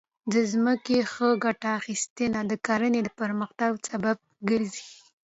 د ځمکې ښه ګټه اخیستنه د کرنې د پرمختګ سبب ګرځي.